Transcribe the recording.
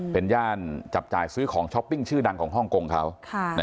เป็นย่านจับจ่ายซื้อของช้อปปิ้งชื่อดังของฮ่องกงเขา